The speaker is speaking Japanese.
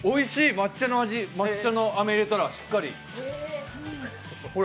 抹茶のあめ入れたらしっかり、ほら。